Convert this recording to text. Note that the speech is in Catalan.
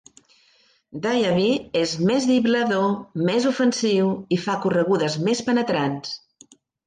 Diaby és més driblador, més ofensiu i fa corregudes més penetrants.